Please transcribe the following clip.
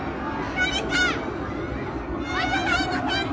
誰か！